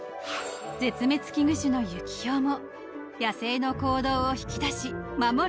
［絶滅危惧種のユキヒョウも野生の行動を引き出し守る